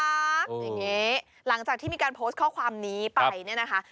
อย่างนี้หลังจากที่มีการโพสต์ข้อความนี้ไปเนี่ยนะคะ